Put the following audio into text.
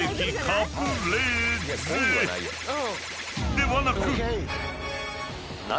［ではなく］